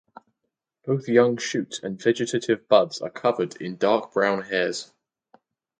Both young shoots and vegetative buds are covered in dark brown hairs.